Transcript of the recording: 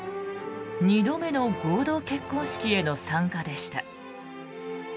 ２度目の合同結婚式への参加でした。